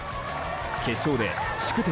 決勝で宿敵